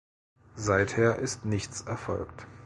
Seither ist nichts erfolgt.